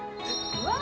うわっ！